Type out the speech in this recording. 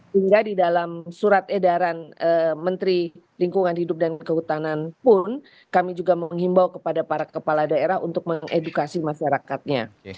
hingga di dalam surat edaran menteri lingkungan hidup dan kehutanan pun kami juga menghimbau kepada para kepala daerah untuk mengedukasi masyarakatnya